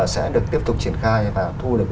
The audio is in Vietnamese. sẽ được tiếp tục triển khai và thu được